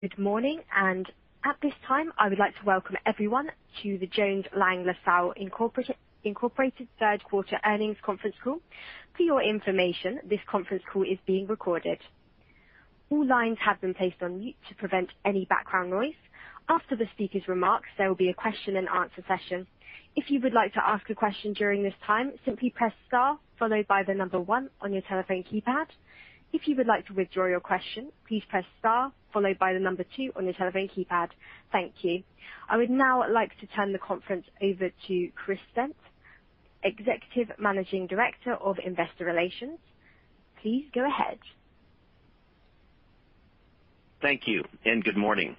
Good morning. At this time, I would like to welcome everyone to the Jones Lang LaSalle Incorporated third quarter earnings conference call. For your information, this conference call is being recorded. All lines have been placed on mute to prevent any background noise. After the speaker's remarks, there will be a question and answer session. If you would like to ask a question during this time, simply press star followed by the number one on your telephone keypad. If you would like to withdraw your question, please press star followed by the number two on your telephone keypad. Thank you. I would now like to turn the conference over to Chris Stent, Executive Managing Director of Investor Relations. Please go ahead. Thank you, and good morning.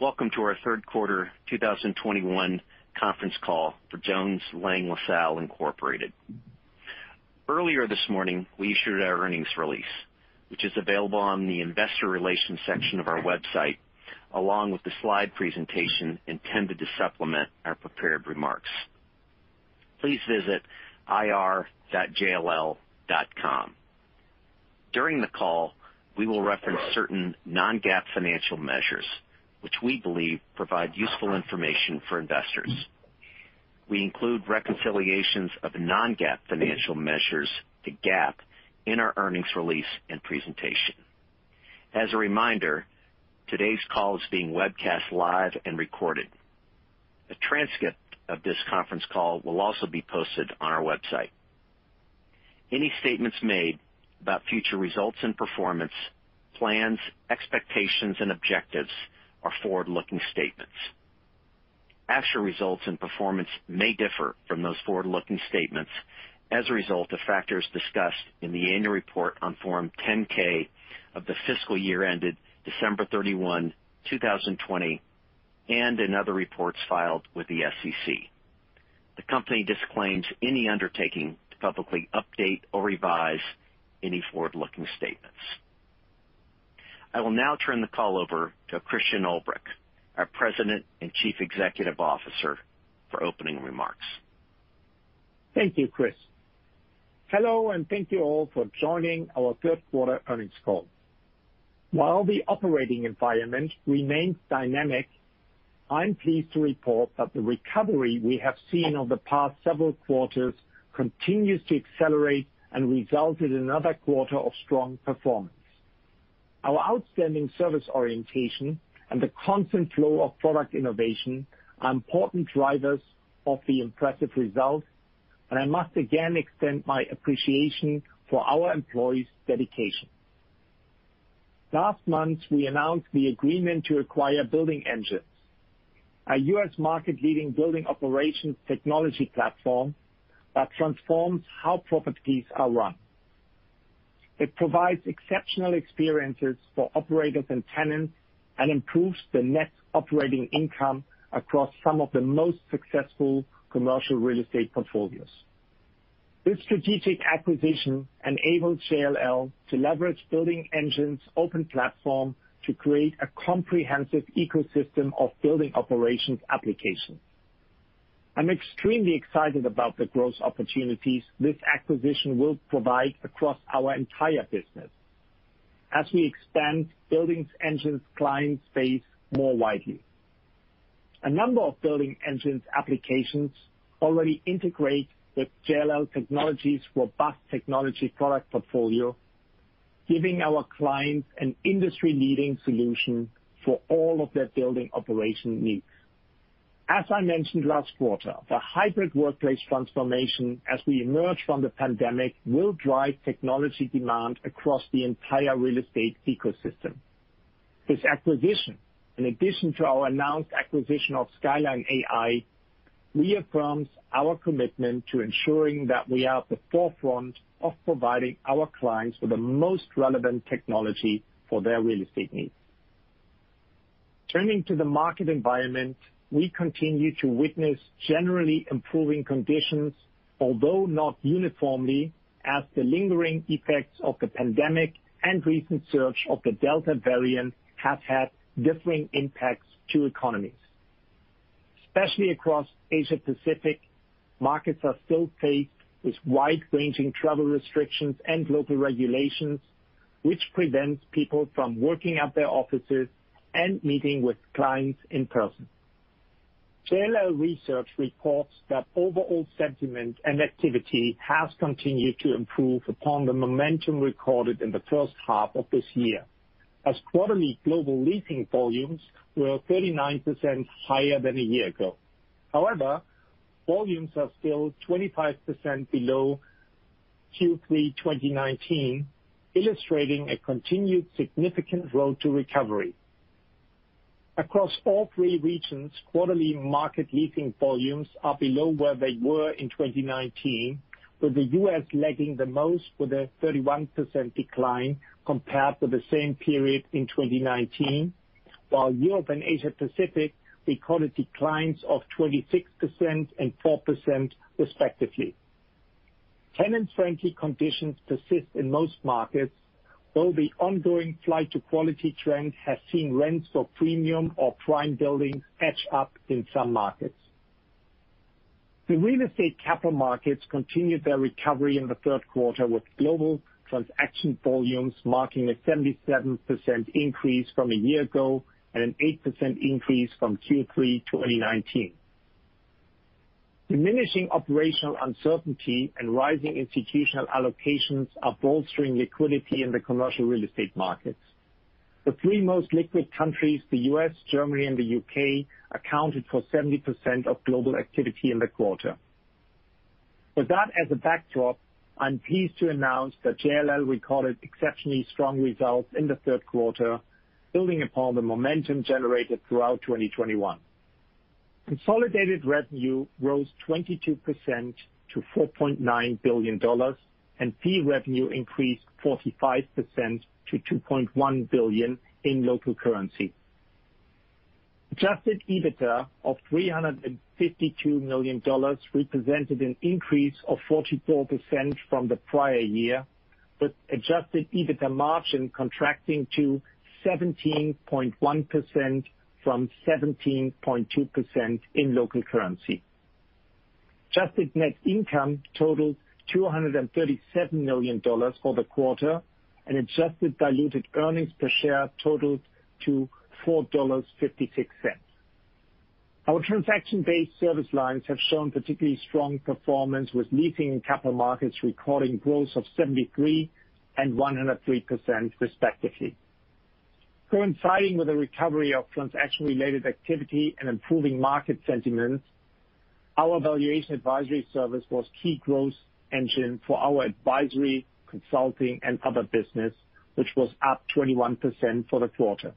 Welcome to our third quarter 2021 conference call for Jones Lang LaSalle Incorporated. Earlier this morning, we issued our earnings release, which is available on the investor relations section of our website, along with the slide presentation intended to supplement our prepared remarks. Please visit ir.jll.com. During the call, we will reference certain non-GAAP financial measures which we believe provide useful information for investors. We include reconciliations of non-GAAP financial measures to GAAP in our earnings release and presentation. As a reminder, today's call is being webcast live and recorded. A transcript of this conference call will also be posted on our website. Any statements made about future results and performance, plans, expectations and objectives are forward-looking statements. Actual results and performance may differ from those forward-looking statements as a result of factors discussed in the annual report on Form 10-K of the fiscal year ended December 31, 2020, and in other reports filed with the SEC. The company disclaims any undertaking to publicly update or revise any forward-looking statements. I will now turn the call over to Christian Ulbrich, our President and Chief Executive Officer, for opening remarks. Thank you, Chris. Hello, and thank you all for joining our third quarter earnings call. While the operating environment remains dynamic, I'm pleased to report that the recovery we have seen over the past several quarters continues to accelerate and resulted in another quarter of strong performance. Our outstanding service orientation and the constant flow of product innovation are important drivers of the impressive results, and I must again extend my appreciation for our employees' dedication. Last month, we announced the agreement to acquire Building Engines, a U.S. market-leading building operations technology platform that transforms how properties are run. It provides exceptional experiences for operators and tenants and improves the net operating income across some of the most successful commercial real estate portfolios. This strategic acquisition enables JLL to leverage Building Engines' open platform to create a comprehensive ecosystem of building operations applications. I'm extremely excited about the growth opportunities this acquisition will provide across our entire business as we expand Building Engines' client space more widely. A number of Building Engines' applications already integrate with JLL Technologies' robust technology product portfolio, giving our clients an industry-leading solution for all of their building operation needs. As I mentioned last quarter, the hybrid workplace transformation as we emerge from the pandemic will drive technology demand across the entire real estate ecosystem. This acquisition, in addition to our announced acquisition of Skyline AI, reaffirms our commitment to ensuring that we are at the forefront of providing our clients with the most relevant technology for their real estate needs. Turning to the market environment, we continue to witness generally improving conditions, although not uniformly, as the lingering effects of the pandemic and recent surge of the Delta variant have had differing impacts to economies. Especially across Asia Pacific, markets are still faced with wide-ranging travel restrictions and local regulations, which prevents people from working at their offices and meeting with clients in person. JLL Research reports that overall sentiment and activity has continued to improve upon the momentum recorded in the first half of this year, as quarterly global leasing volumes were 39% higher than a year ago. However, volumes are still 25% below Q3 2019, illustrating a continued significant road to recovery. Across all three regions, quarterly market leasing volumes are below where they were in 2019, with the U.S. lagging the most with a 31% decline compared to the same period in 2019, while Europe and Asia Pacific recorded declines of 26% and 4% respectively. Tenant-friendly conditions persist in most markets, though the ongoing flight to quality trend has seen rents for premium or prime buildings edge up in some markets. The real estate capital markets continued their recovery in the third quarter, with global transaction volumes marking a 77% increase from a year ago and an 8% increase from Q3 2019. Diminishing operational uncertainty and rising institutional allocations are bolstering liquidity in the commercial real estate markets. The three most liquid countries, the U.S., Germany, and the U.K., accounted for 70% of global activity in the quarter. With that as a backdrop, I'm pleased to announce that JLL recorded exceptionally strong results in the third quarter, building upon the momentum generated throughout 2021. Consolidated revenue rose 22% to $4.9 billion, and fee revenue increased 45% to $2.1 billion in local currency. Adjusted EBITDA of $352 million represented an increase of 44% from the prior year, with adjusted EBITDA margin contracting to 17.1% from 17.2% in local currency. Adjusted net income totaled $237 million for the quarter, and adjusted diluted earnings per share totaled $4.56. Our transaction-based service lines have shown particularly strong performance, with leasing and capital markets recording growth of 73% and 100% respectively. Coinciding with the recovery of transaction-related activity and improving market sentiment, our valuation advisory service was key growth engine for our advisory, consulting, and other business, which was up 21% for the quarter.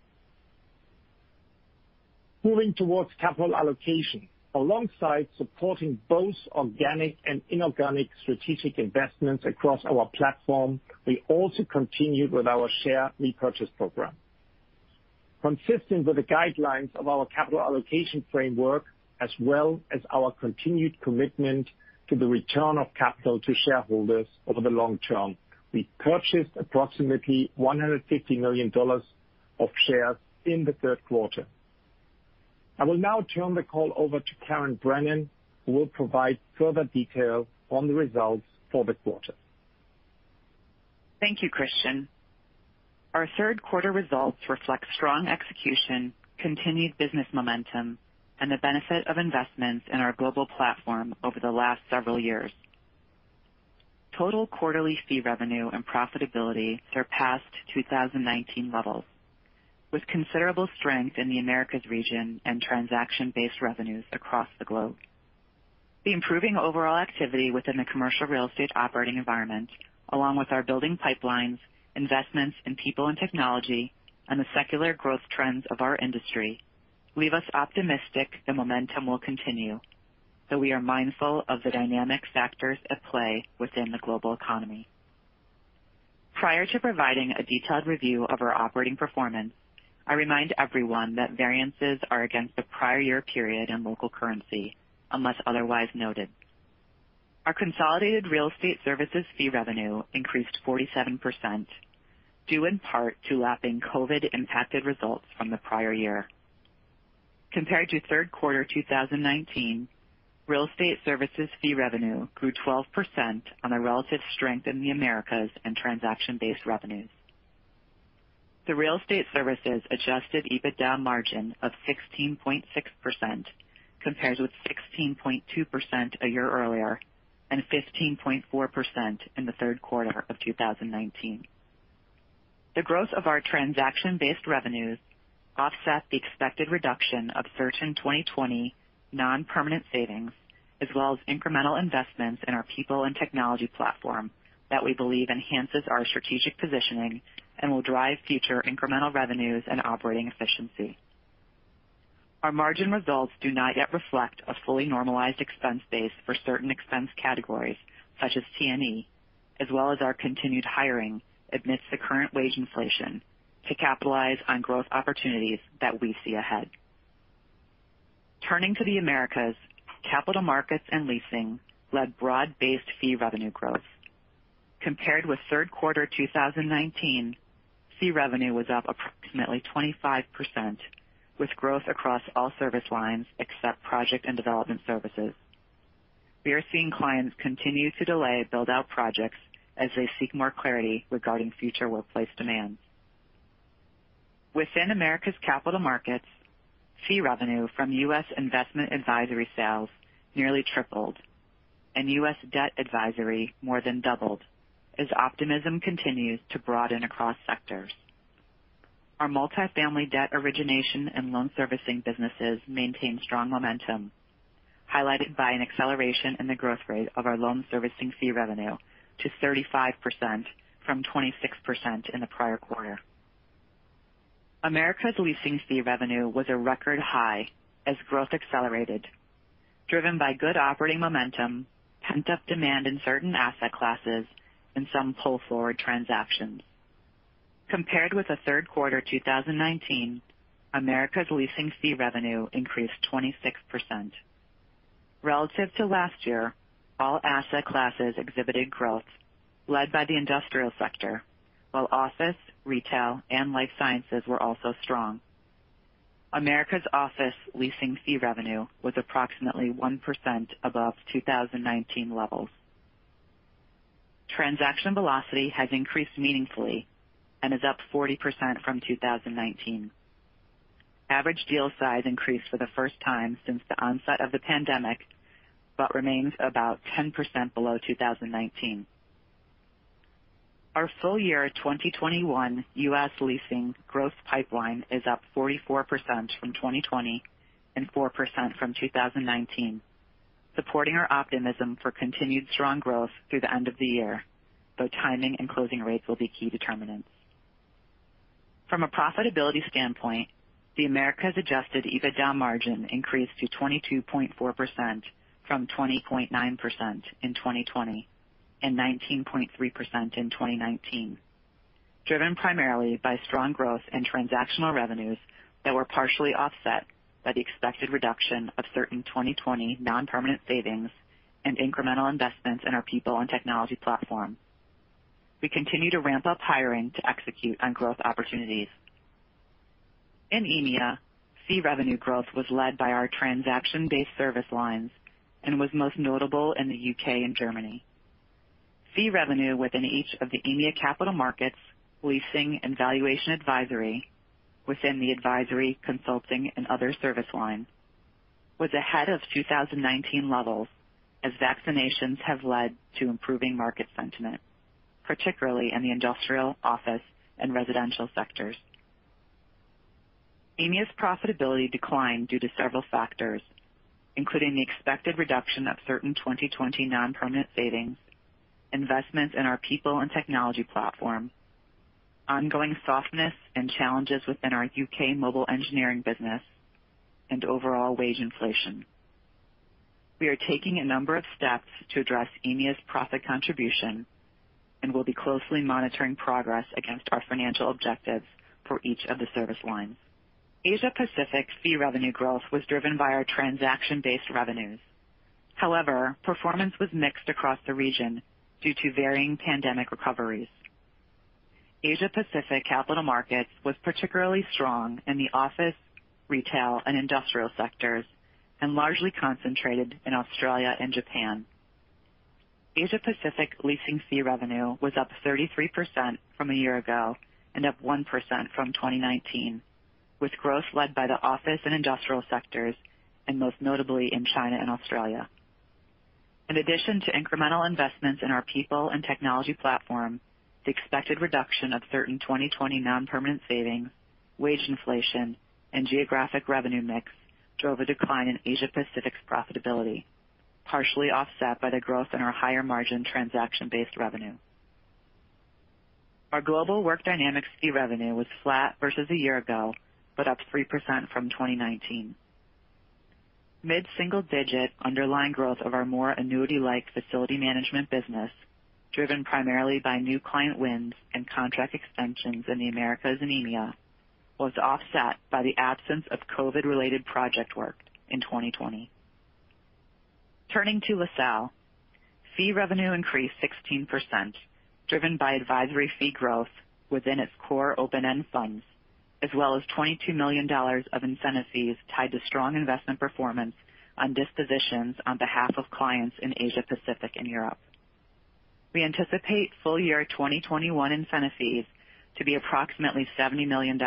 Moving towards capital allocation. Alongside supporting both organic and inorganic strategic investments across our platform, we also continued with our share repurchase program. Consistent with the guidelines of our capital allocation framework, as well as our continued commitment to the return of capital to shareholders over the long term, we purchased approximately $150 million of shares in the third quarter. I will now turn the call over to Karen Brennan, who will provide further detail on the results for the quarter. Thank you, Christian. Our third quarter results reflect strong execution, continued business momentum, and the benefit of investments in our global platform over the last several years. Total quarterly fee revenue and profitability surpassed 2019 levels, with considerable strength in the Americas region and transaction-based revenues across the globe. The improving overall activity within the commercial real estate operating environment, along with our building pipelines, investments in people and technology, and the secular growth trends of our industry leave us optimistic the momentum will continue, though we are mindful of the dynamic factors at play within the global economy. Prior to providing a detailed review of our operating performance, I remind everyone that variances are against the prior year period in local currency, unless otherwise noted. Our consolidated real estate services fee revenue increased 47%, due in part to lapping COVID-impacted results from the prior year. Compared to third quarter 2019, real estate services fee revenue grew 12% on the relative strength in the Americas and transaction-based revenues. The real estate services adjusted EBITDA margin of 16.6% compares with 16.2% a year earlier and 15.4% in the third quarter of 2019. The growth of our transaction-based revenues offset the expected reduction of certain 2020 non-permanent savings, as well as incremental investments in our people and technology platform that we believe enhances our strategic positioning and will drive future incremental revenues and operating efficiency. Our margin results do not yet reflect a fully normalized expense base for certain expense categories such as T&E, as well as our continued hiring amidst the current wage inflation to capitalize on growth opportunities that we see ahead. Turning to the Americas, capital markets and leasing led broad-based fee revenue growth. Compared with third quarter 2019, fee revenue was up approximately 25%, with growth across all service lines except project and development services. We are seeing clients continue to delay build-out projects as they seek more clarity regarding future workplace demands. Within Americas capital markets, fee revenue from U.S. investment advisory sales nearly tripled, and U.S. debt advisory more than doubled as optimism continues to broaden across sectors. Our multifamily debt origination and loan servicing businesses maintained strong momentum, highlighted by an acceleration in the growth rate of our loan servicing fee revenue to 35% from 26% in the prior quarter. Americas leasing fee revenue was a record high as growth accelerated, driven by good operating momentum, pent-up demand in certain asset classes, and some pull forward transactions. Compared with the third quarter 2019, Americas leasing fee revenue increased 26%. Relative to last year, all asset classes exhibited growth led by the industrial sector, while office, retail, and life sciences were also strong. America's office leasing fee revenue was approximately 1% above 2019 levels. Transaction velocity has increased meaningfully and is up 40% from 2019. Average deal size increased for the first time since the onset of the pandemic, but remains about 10% below 2019. Our full year 2021 U.S. leasing growth pipeline is up 44% from 2020 and 4% from 2019, supporting our optimism for continued strong growth through the end of the year, though timing and closing rates will be key determinants. From a profitability standpoint, the Americas' adjusted EBITDA margin increased to 22.4% from 20.9% in 2020 and 19.3% in 2019, driven primarily by strong growth in transactional revenues that were partially offset by the expected reduction of certain 2020 non-permanent savings and incremental investments in our people and technology platform. We continue to ramp up hiring to execute on growth opportunities. In EMEA, fee revenue growth was led by our transaction-based service lines and was most notable in the U.K. and Germany. Fee revenue within each of the EMEA capital markets, leasing, and valuation advisory within the advisory, consulting, and other service lines was ahead of 2019 levels as vaccinations have led to improving market sentiment, particularly in the industrial, office, and residential sectors. EMEA's profitability declined due to several factors, including the expected reduction of certain 2020 non-permanent savings, investments in our people and technology platform, ongoing softness and challenges within our U.K. mobile engineering business, and overall wage inflation. We are taking a number of steps to address EMEA's profit contribution, and we'll be closely monitoring progress against our financial objectives for each of the service lines. Asia Pacific fee revenue growth was driven by our transaction-based revenues. However, performance was mixed across the region due to varying pandemic recoveries. Asia Pacific capital markets was particularly strong in the office, retail, and industrial sectors, and largely concentrated in Australia and Japan. Asia Pacific leasing fee revenue was up 33% from a year ago and up 1% from 2019, with growth led by the office and industrial sectors, and most notably in China and Australia. In addition to incremental investments in our people and technology platform, the expected reduction of certain 2020 non-permanent savings, wage inflation, and geographic revenue mix drove a decline in Asia Pacific's profitability, partially offset by the growth in our higher margin transaction-based revenue. Our global Work Dynamics fee revenue was flat versus a year ago, but up 3% from 2019. Mid-single-digit underlying growth of our more annuity-like facility management business, driven primarily by new client wins and contract extensions in the Americas and EMEA, was offset by the absence of COVID-related project work in 2020. Turning to LaSalle, fee revenue increased 16%, driven by advisory fee growth within its core open-end funds, as well as $22 million of incentive fees tied to strong investment performance on dispositions on behalf of clients in Asia Pacific and Europe. We anticipate full year 2021 incentive fees to be approximately $70 million,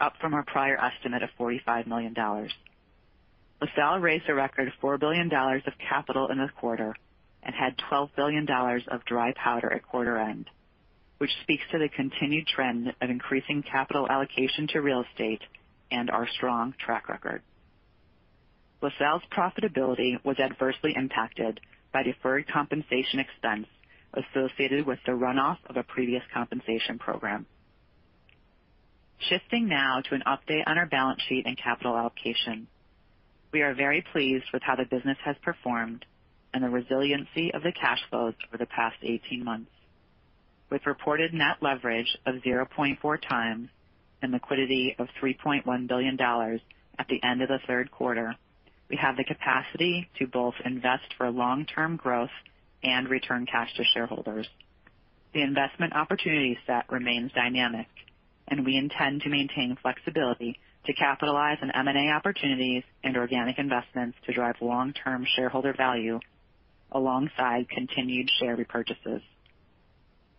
up from our prior estimate of $45 million. LaSalle raised a record $4 billion of capital in the quarter and had $12 billion of dry powder at quarter end, which speaks to the continued trend of increasing capital allocation to real estate and our strong track record. LaSalle's profitability was adversely impacted by deferred compensation expense associated with the runoff of a previous compensation program. Shifting now to an update on our balance sheet and capital allocation. We are very pleased with how the business has performed and the resiliency of the cash flows over the past 18 months. With reported net leverage of 0.4x and liquidity of $3.1 billion at the end of the third quarter, we have the capacity to both invest for long-term growth and return cash to shareholders. The investment opportunity set remains dynamic, and we intend to maintain flexibility to capitalize on M&A opportunities and organic investments to drive long-term shareholder value alongside continued share repurchases.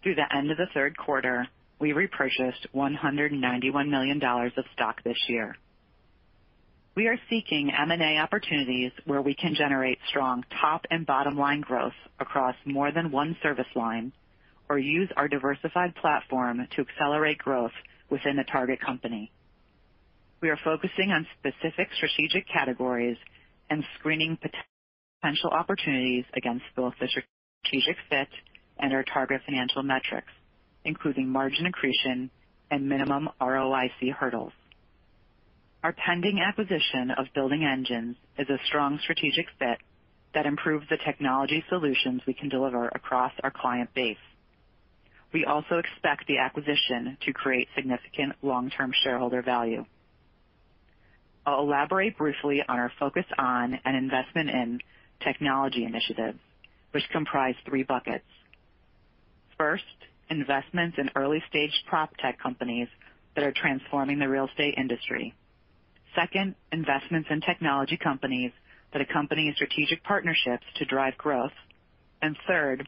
Through the end of the third quarter, we repurchased $191 million of stock this year. We are seeking M&A opportunities where we can generate strong top and bottom line growth across more than one service line or use our diversified platform to accelerate growth within the target company. We are focusing on specific strategic categories and screening potential opportunities against both the strategic fit and our target financial metrics, including margin accretion and minimum ROIC hurdles. Our pending acquisition of Building Engines is a strong strategic fit that improves the technology solutions we can deliver across our client base. We also expect the acquisition to create significant long-term shareholder value. I'll elaborate briefly on our focus on and investment in technology initiatives, which comprise three buckets. First, investments in early stage proptech companies that are transforming the real estate industry. Second, investments in technology companies that accompany strategic partnerships to drive growth. Third,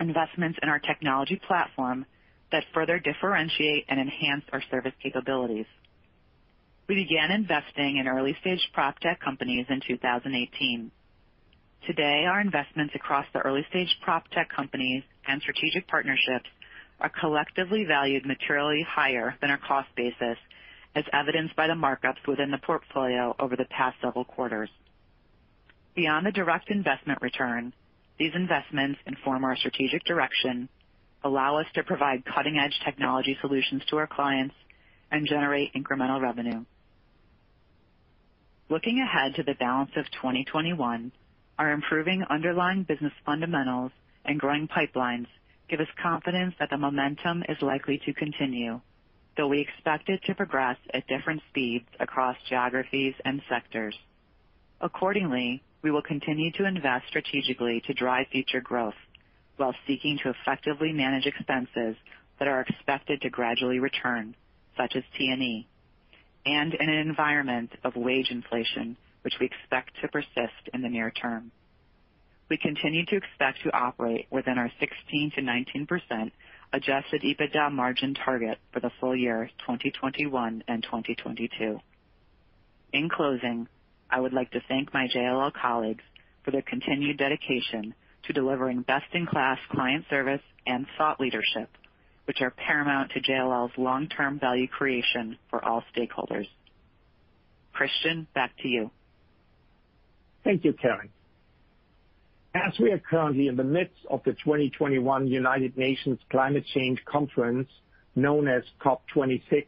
investments in our technology platform that further differentiate and enhance our service capabilities. We began investing in early stage proptech companies in 2018. Today, our investments across the early stage proptech companies and strategic partnerships are collectively valued materially higher than our cost basis, as evidenced by the markups within the portfolio over the past several quarters. Beyond the direct investment return, these investments inform our strategic direction, allow us to provide cutting edge technology solutions to our clients, and generate incremental revenue. Looking ahead to the balance of 2021, our improving underlying business fundamentals and growing pipelines give us confidence that the momentum is likely to continue, though we expect it to progress at different speeds across geographies and sectors. Accordingly, we will continue to invest strategically to drive future growth while seeking to effectively manage expenses that are expected to gradually return, such as T&E, and in an environment of wage inflation, which we expect to persist in the near term. We continue to expect to operate within our 16%-19% adjusted EBITDA margin target for the full year 2021 and 2022. In closing, I would like to thank my JLL colleagues for their continued dedication to delivering best in class client service and thought leadership, which are paramount to JLL's long term value creation for all stakeholders. Christian, back to you. Thank you, Karen. As we are currently in the midst of the 2021 United Nations Climate Change Conference known as COP26,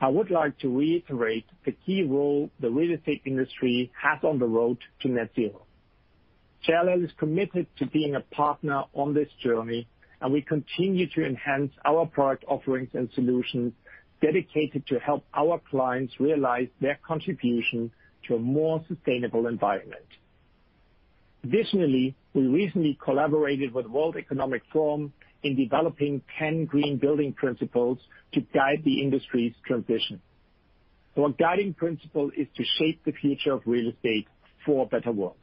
I would like to reiterate the key role the real estate industry has on the road to net zero. JLL is committed to being a partner on this journey, and we continue to enhance our product offerings and solutions dedicated to help our clients realize their contribution to a more sustainable environment. Additionally, we recently collaborated with World Economic Forum in developing 10 green building principles to guide the industry's transition. Our guiding principle is to shape the future of real estate for a better world.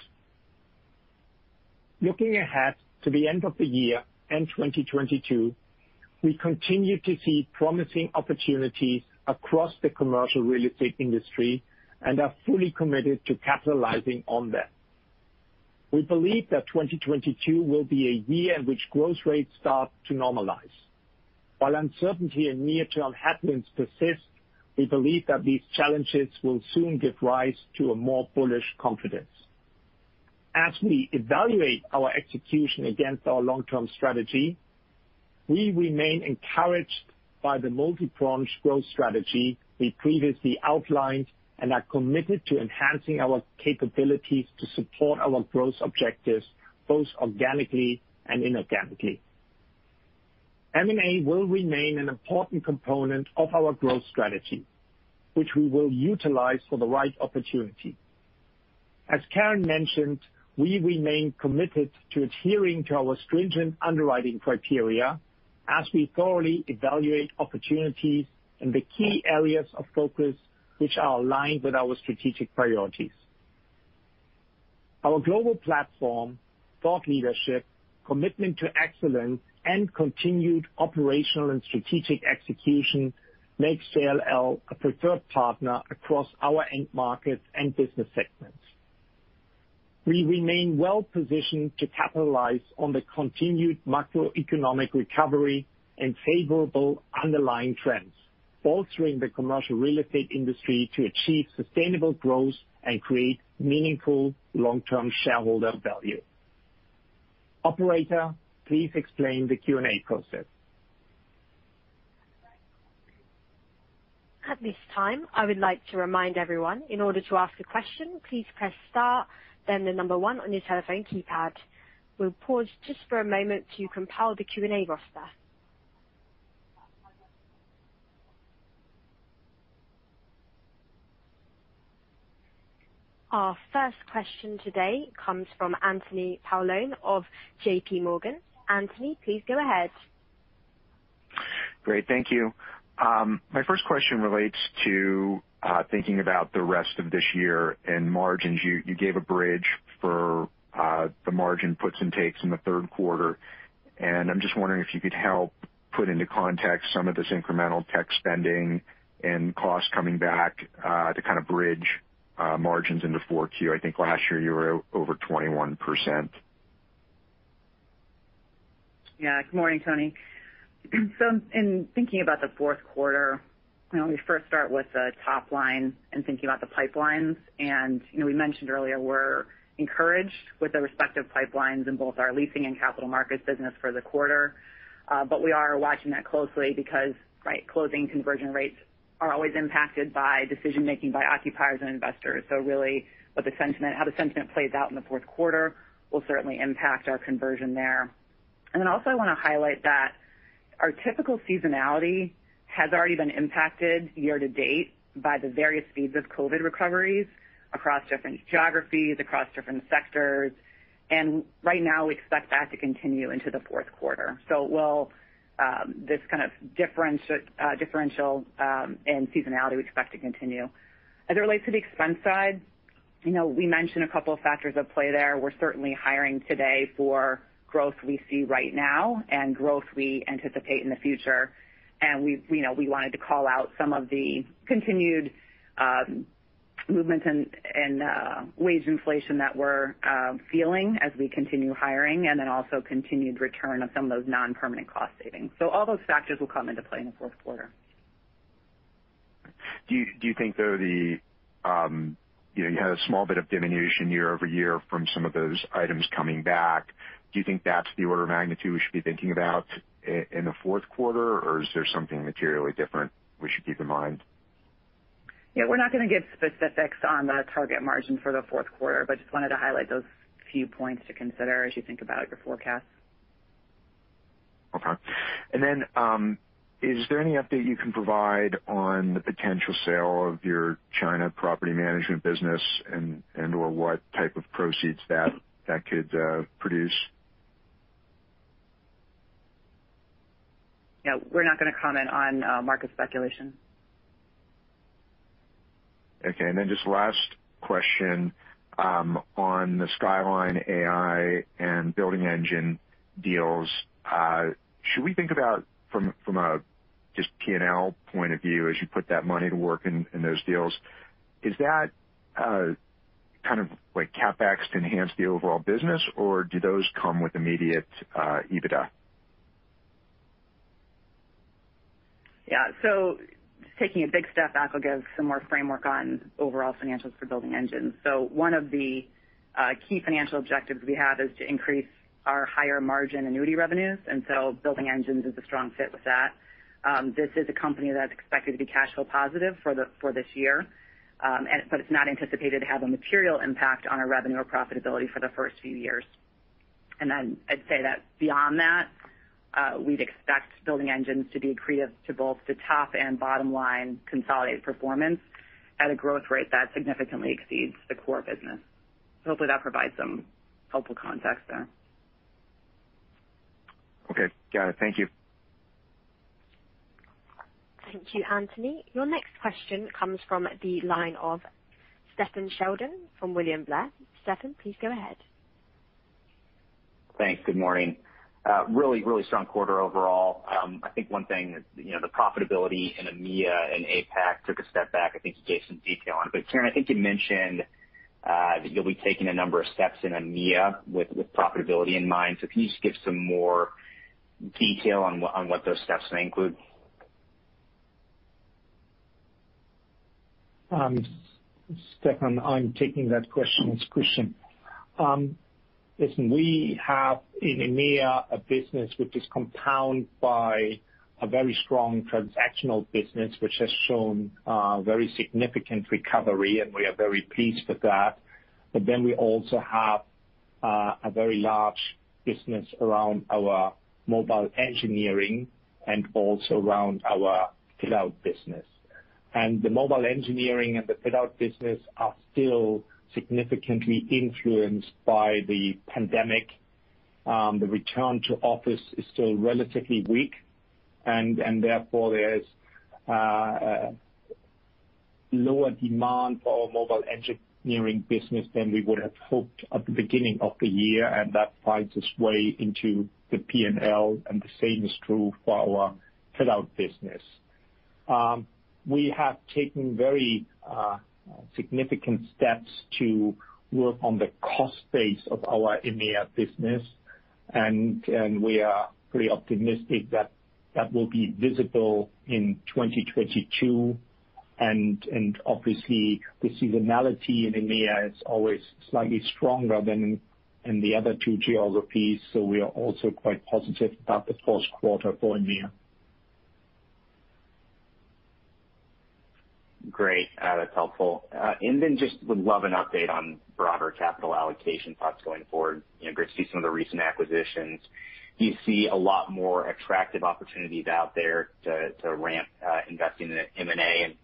Looking ahead to the end of the year and 2022, we continue to see promising opportunities across the commercial real estate industry and are fully committed to capitalizing on them. We believe that 2022 will be a year in which growth rates start to normalize. While uncertainty and near-term headwinds persist, we believe that these challenges will soon give rise to a more bullish confidence. As we evaluate our execution against our long-term strategy, we remain encouraged by the multi-pronged growth strategy we previously outlined and are committed to enhancing our capabilities to support our growth objectives, both organically and inorganically. M&A will remain an important component of our growth strategy, which we will utilize for the right opportunity. As Karen mentioned, we remain committed to adhering to our stringent underwriting criteria as we thoroughly evaluate opportunities in the key areas of focus which are aligned with our strategic priorities. Our global platform, thought leadership, commitment to excellence, and continued operational and strategic execution makes JLL a preferred partner across our end markets and business segments. We remain well positioned to capitalize on the continued macroeconomic recovery and favorable underlying trends bolstering the commercial real estate industry to achieve sustainable growth and create meaningful long term shareholder value. Operator, please explain the Q&A process. At this time, I would like to remind everyone, in order to ask a question, please press star, then the number one on your telephone keypad. We'll pause just for a moment to compile the Q&A roster. Our first question today comes from Anthony Paolone of JPMorgan. Anthony, please go ahead. Great. Thank you. My first question relates to thinking about the rest of this year and margins. You gave a bridge for the margin puts and takes in the third quarter, and I'm just wondering if you could help put into context some of this incremental tech spending and costs coming back to kind of bridge margins into 4Q. I think last year you were over 21%. Yeah. Good morning, Tony. In thinking about the fourth quarter, you know, we first start with the top line and thinking about the pipelines. You know, we mentioned earlier we're encouraged with the respective pipelines in both our leasing and capital markets business for the quarter. We are watching that closely because, right, closing conversion rates are always impacted by decision making by occupiers and investors. Really what the sentiment, how the sentiment plays out in the fourth quarter will certainly impact our conversion there. Then also I wanna highlight that Our typical seasonality has already been impacted year to date by the various speeds of COVID recoveries across different geographies, across different sectors. Right now, we expect that to continue into the fourth quarter. This kind of differential and seasonality we expect to continue. As it relates to the expense side, you know, we mentioned a couple of factors at play there. We're certainly hiring today for growth we see right now and growth we anticipate in the future. We know we wanted to call out some of the continued movement and wage inflation that we're feeling as we continue hiring and then also continued return of some of those non-permanent cost savings. All those factors will come into play in the fourth quarter. Do you think though the you know you had a small bit of diminution year-over-year from some of those items coming back. Do you think that's the order of magnitude we should be thinking about in the fourth quarter, or is there something materially different we should keep in mind? Yeah. We're not gonna give specifics on the target margin for the fourth quarter, but just wanted to highlight those few points to consider as you think about your forecast. Okay. Is there any update you can provide on the potential sale of your China property management business and/or what type of proceeds that could produce? No, we're not gonna comment on market speculation. Okay. Then just last question on the Skyline AI and Building Engines deals. Should we think about from a just P&L point of view as you put that money to work in those deals, is that kind of like CapEx to enhance the overall business, or do those come with immediate EBITDA? Yeah. Just taking a big step back, I'll give some more framework on overall financials for Building Engines. One of the key financial objectives we have is to increase our higher margin annuity revenues, and Building Engines is a strong fit with that. This is a company that's expected to be cash flow positive for this year. But it's not anticipated to have a material impact on our revenue or profitability for the first few years. Then I'd say that beyond that, we'd expect Building Engines to be accretive to both the top and bottom line consolidated performance at a growth rate that significantly exceeds the core business. Hopefully that provides some helpful context there. Okay. Got it. Thank you. Thank you, Anthony. Your next question comes from the line of Stephen Sheldon from William Blair. Stephen, please go ahead. Thanks. Good morning. Really strong quarter overall. I think one thing, you know, the profitability in EMEA and APAC took a step back. I think you gave some detail on it. Karen, I think you mentioned that you'll be taking a number of steps in EMEA with profitability in mind. Can you just give some more detail on what those steps may include? Stephen, I'm taking that question. It's Christian. Listen, we have in EMEA a business which is comprised by a very strong transactional business, which has shown very significant recovery, and we are very pleased with that. We also have a very large business around our mobile engineering and also around our fit-out business. The mobile engineering and the fit-out business are still significantly influenced by the pandemic. The return to office is still relatively weak and therefore there's lower demand for our mobile engineering business than we would have hoped at the beginning of the year, and that finds its way into the P&L, and the same is true for our fit-out business. We have taken very, significant steps to work on the cost base of our EMEA business, and we are pretty optimistic that that will be visible in 2022. Obviously the seasonality in EMEA is always slightly stronger than in the other two geographies. We are also quite positive about the first quarter for EMEA. Great. That's helpful. Just would love an update on broader capital allocation thoughts going forward. You know, great to see some of the recent acquisitions. Do you see a lot more attractive opportunities out there to ramp investing in M&A?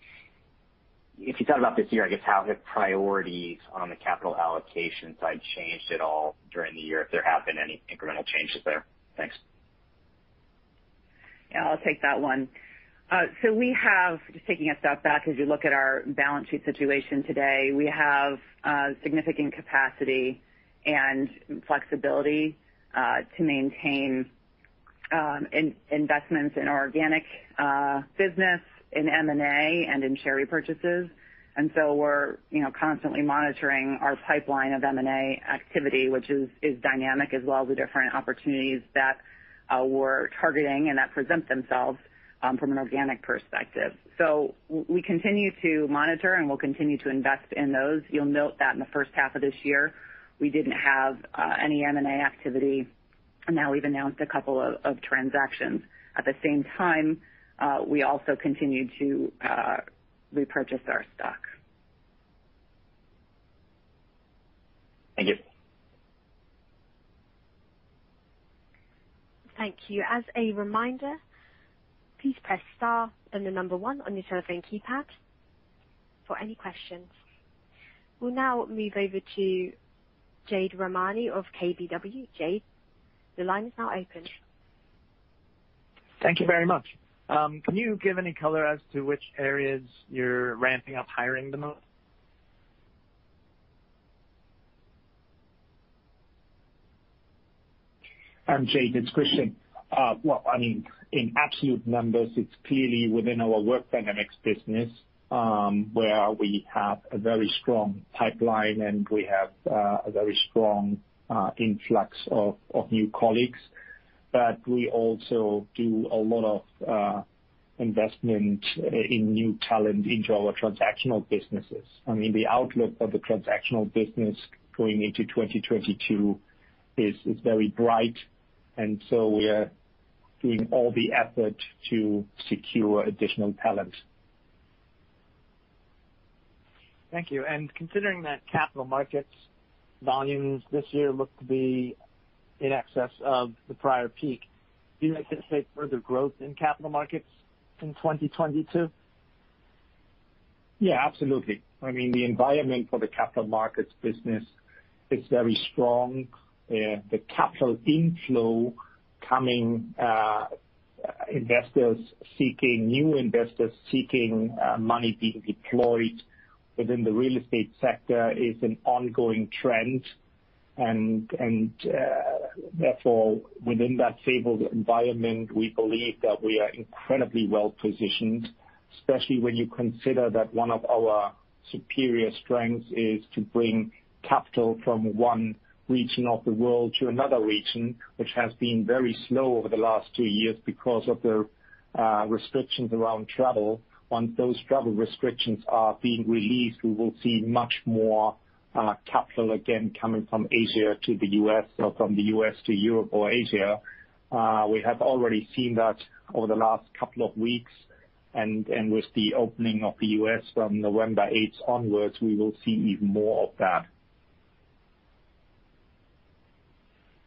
If you thought about this year, I guess, how have priorities on the capital allocation side changed at all during the year, if there have been any incremental changes there? Thanks. Yeah, I'll take that one. So we have, just taking a step back, as you look at our balance sheet situation today, we have significant capacity and flexibility to maintain investments in our organic business, in M&A and in share repurchases. We're, you know, constantly monitoring our pipeline of M&A activity, which is dynamic as well as the different opportunities that we're targeting and that present themselves from an organic perspective. We continue to monitor, and we'll continue to invest in those. You'll note that in the first half of this year we didn't have any M&A activity. Now we've announced a couple of transactions. At the same time, we also continued to repurchase our stock. Thank you. Thank you. As a reminder, please press star then the number one on your telephone keypad for any questions. We'll now move over to Jade Rahmani of KBW. Jade, the line is now open. Thank you very much. Can you give any color as to which areas you're ramping up hiring the most? Jade, it's Christian. Well, I mean, in absolute numbers, it's clearly within our Work Dynamics business, where we have a very strong pipeline, and we have a very strong influx of new colleagues. But we also do a lot of investment in new talent into our transactional businesses. I mean, the outlook of the transactional business going into 2022 is very bright, and so we are doing all the effort to secure additional talent. Thank you. Considering that capital markets volumes this year look to be in excess of the prior peak, do you anticipate further growth in capital markets in 2022? Yeah, absolutely. I mean, the environment for the capital markets business is very strong. The capital inflow coming, new investors seeking money being deployed within the real estate sector is an ongoing trend. Therefore, within that favorable environment, we believe that we are incredibly well positioned, especially when you consider that one of our superior strengths is to bring capital from one region of the world to another region, which has been very slow over the last two years because of the restrictions around travel. Once those travel restrictions are being released, we will see much more capital again coming from Asia to the U.S. or from the U.S. to Europe or Asia. We have already seen that over the last couple of weeks. With the opening of the U.S. from November eighth onwards, we will see even more of that.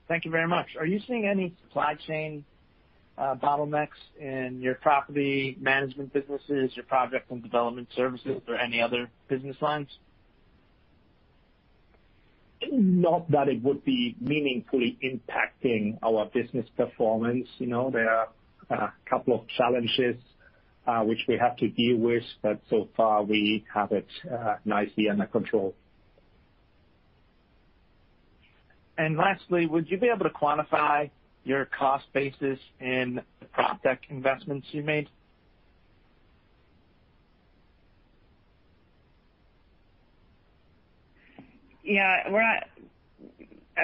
Thank you very much. Are you seeing any supply chain bottlenecks in your property management businesses, your project and development services or any other business lines? Not that it would be meaningfully impacting our business performance. You know, there are a couple of challenges, which we have to deal with, but so far, we have it, nicely under control. Lastly, would you be able to quantify your cost basis in the proptech investments you made? Yeah.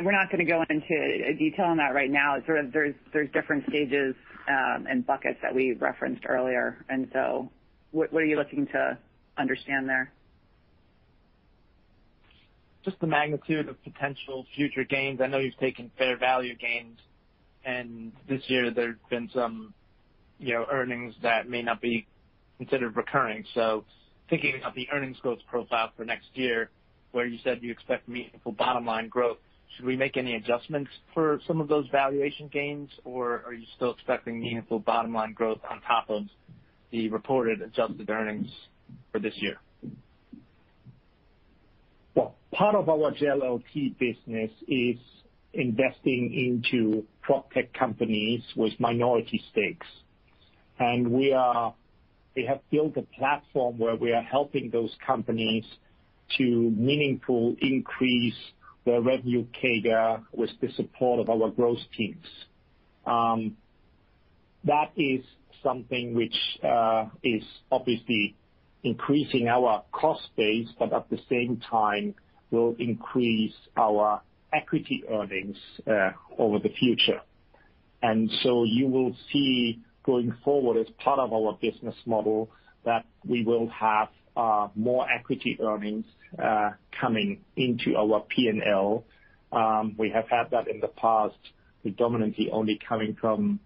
We're not gonna go into detail on that right now. Sort of there's different stages and buckets that we referenced earlier. What are you looking to understand there? Just the magnitude of potential future gains. I know you've taken fair value gains, and this year there have been some, you know, earnings that may not be considered recurring. Thinking of the earnings growth profile for next year, where you said you expect meaningful bottom line growth, should we make any adjustments for some of those valuation gains, or are you still expecting meaningful bottom line growth on top of the reported adjusted earnings for this year? Well, part of our JLLT business is investing into proptech companies with minority stakes. We have built a platform where we are helping those companies to meaningfully increase their revenue CAGR with the support of our growth teams. That is something which is obviously increasing our cost base, but at the same time will increase our equity earnings over the future. You will see, going forward as part of our business model, that we will have more equity earnings coming into our P&L. We have had that in the past predominantly only coming from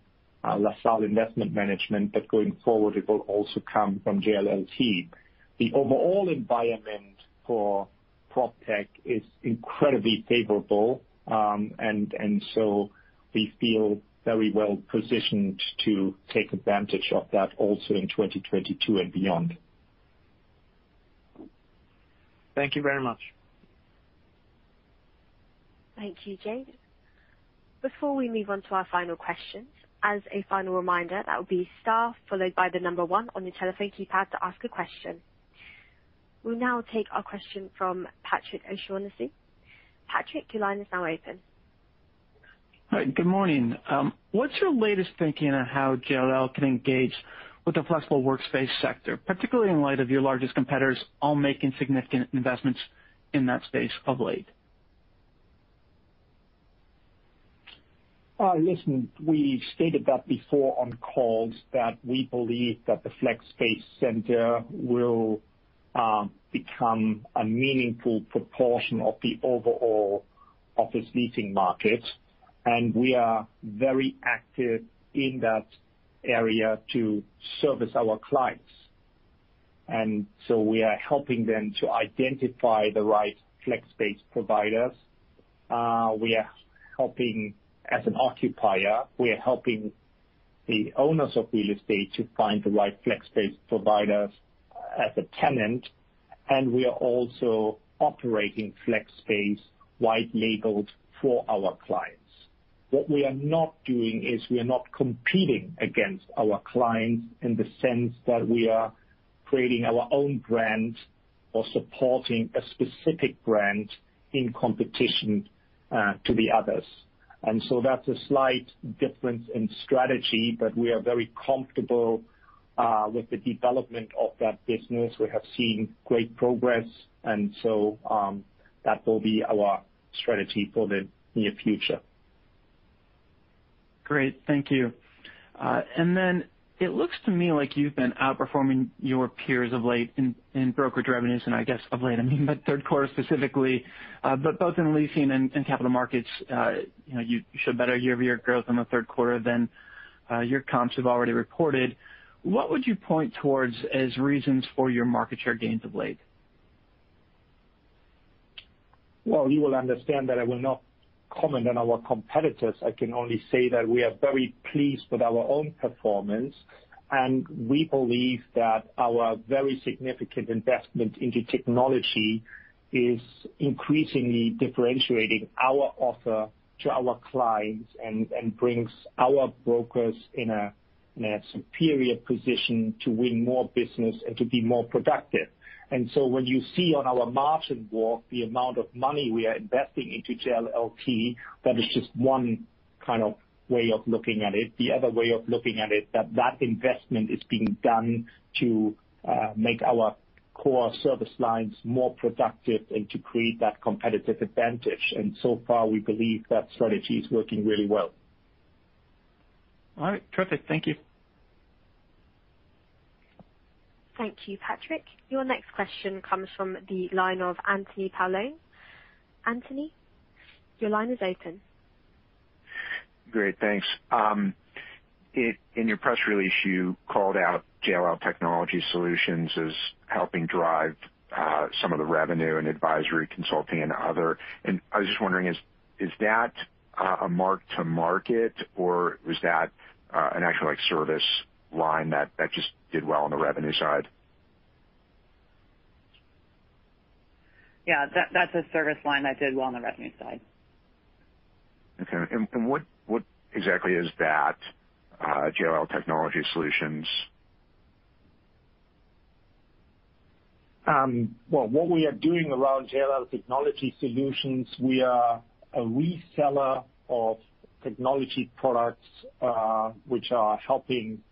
LaSalle Investment Management, but going forward it will also come from JLLT. The overall environment for proptech is incredibly favorable, and so we feel very well positioned to take advantage of that also in 2022 and beyond. Thank you very much. Thank you, Jade. Before we move on to our final questions, as a final reminder, that would be star followed by the number one on your telephone keypad to ask a question. We'll now take our question from Patrick O'Shaughnessy. Patrick, your line is now open. Hi, good morning. What's your latest thinking on how JLL can engage with the flexible workspace sector, particularly in light of your largest competitors all making significant investments in that space of late? Listen, we stated that before on calls that we believe that the flex space sector will become a meaningful proportion of the overall office leasing market, and we are very active in that area to service our clients. We are helping them to identify the right flex space providers. We are helping as an occupier. We are helping the owners of real estate to find the right flex space providers as a tenant, and we are also operating flex space white-labeled for our clients. What we are not doing is we are not competing against our clients in the sense that we are creating our own brand or supporting a specific brand in competition to the others. That's a slight difference in strategy, but we are very comfortable with the development of that business. We have seen great progress, and so, that will be our strategy for the near future. Great. Thank you. It looks to me like you've been outperforming your peers of late in brokerage revenues, and I guess of late I mean the third quarter specifically. Both in leasing and capital markets, you know, you showed better year-over-year growth in the third quarter than your comps have already reported. What would you point towards as reasons for your market share gains of late? Well, you will understand that I will not comment on our competitors. I can only say that we are very pleased with our own performance, and we believe that our very significant investment into technology is increasingly differentiating our offer to our clients and brings our brokers in a superior position to win more business and to be more productive. When you see on our margin walk the amount of money we are investing into JLLT, that is just one kind of way of looking at it. The other way of looking at it, that investment is being done to make our core service lines more productive and to create that competitive advantage. Far, we believe that strategy is working really well. All right. Perfect. Thank you. Thank you, Patrick. Your next question comes from the line of Anthony Paolone. Anthony, your line is open. Great. Thanks. In your press release, you called out JLL Technologies as helping drive some of the revenue and advisory consulting and other. I was just wondering, is that a mark-to-market, or was that an actual, like, service line that just did well on the revenue side? Yeah, that's a service line that did well on the revenue side. Okay. What exactly is that JLL technologies solutions? Well, what we are doing around JLL technology solutions, we are a reseller of technology products, which are helping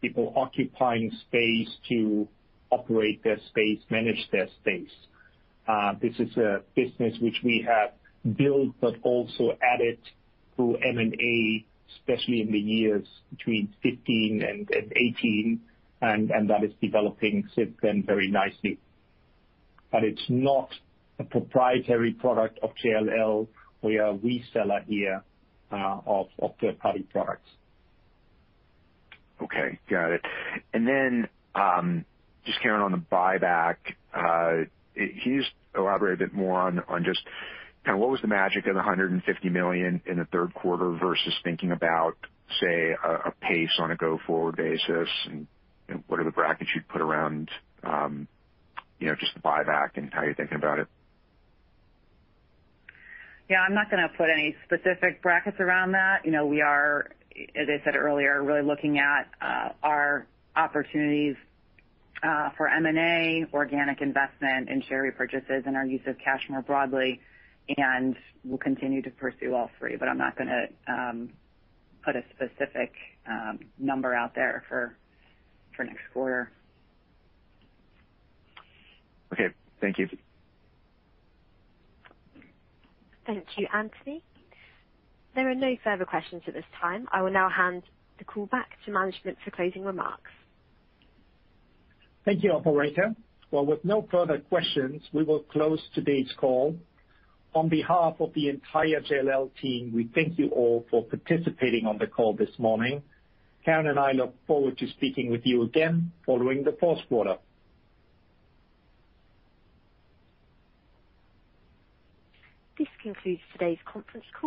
people occupying space to operate their space, manage their space. This is a business which we have built but also added through M&A, especially in the years between 15 and 18, and that is developing since then very nicely. It's not a proprietary product of JLL. We are a reseller here of third-party products. Okay. Got it. Just carrying on the buyback, can you just elaborate a bit more on just kinda what was the magic of the $150 million in the third quarter versus thinking about, say, a pace on a go-forward basis, and what are the brackets you'd put around, you know, just the buyback and how you're thinking about it? Yeah, I'm not gonna put any specific brackets around that. You know, we are, as I said earlier, really looking at our opportunities for M&A, organic investment, and share repurchases and our use of cash more broadly, and we'll continue to pursue all three. I'm not gonna put a specific number out there for next quarter. Okay. Thank you. Thank you, Anthony. There are no further questions at this time. I will now hand the call back to management for closing remarks. Thank you, operator. Well, with no further questions, we will close today's call. On behalf of the entire JLL team, we thank you all for participating on the call this morning. Karen and I look forward to speaking with you again following the fourth quarter. This concludes today's conference call.